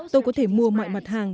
tôi có thể mua mọi mặt hàng